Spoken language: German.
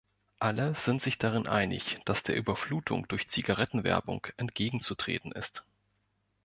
Alle sind sich darin einig, dass der Überflutung durch Zigarettenwerbung entgegenzutreten ist.